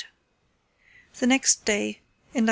The next day, in lat.